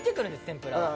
天ぷらは。